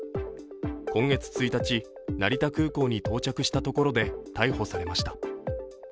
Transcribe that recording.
今月１日、成田空港に到着したところで逮捕されました。